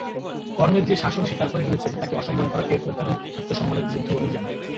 কর্মের যে-শাসন স্বীকার করে নিয়েছে তাকে অসম্মান করাকে অতীন আত্মসম্মানের বিরুদ্ধ বলেই জানে।